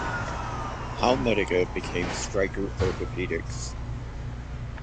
Howmedica became Stryker Orthopaedics.